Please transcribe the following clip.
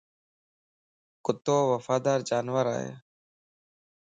ڪُتو وفادار جانور ائي